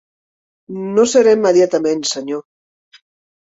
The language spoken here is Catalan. No serà immediatament, senyor.